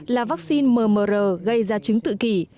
là vaccine mmr gây ra chứng tự kỷ